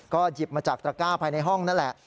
ก็หยิบมาจากตระก้าภายในห้องนั่นแหละ